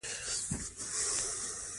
د کولمو روغتیا باید هر وخت وساتل شي.